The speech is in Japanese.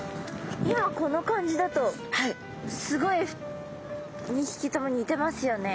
今この感じだとすごい２ひきとも似てますよね。